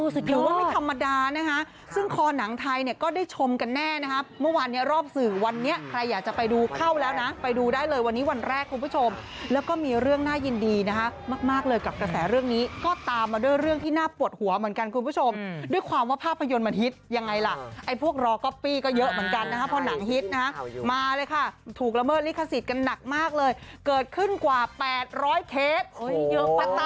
สุดยอดสุดยอดสุดยอดสุดยอดสุดยอดสุดยอดสุดยอดสุดยอดสุดยอดสุดยอดสุดยอดสุดยอดสุดยอดสุดยอดสุดยอดสุดยอดสุดยอดสุดยอดสุดยอดสุดยอดสุดยอดสุดยอดสุดยอดสุดยอดสุด